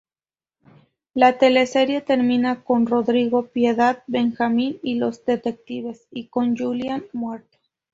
La teleserie termina con Rodrigo, Piedad, Benjamín y los detectives, y con Julián muerto.